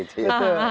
itu juga saya